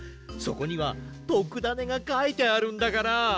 そこにはとくダネがかいてあるんだから！